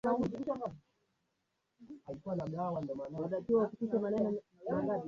ziliunganishwa katika bara moja inayojulikana kama Gondwana